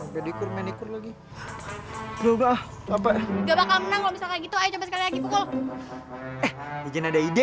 gede kurmen ikut lagi juga apa nggak bakal menang itu aja lagi pukul ada ide ide